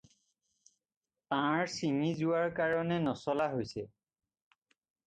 তাঁৰ ছিঙি যোৱাৰ কাৰণে নচলা হৈছে।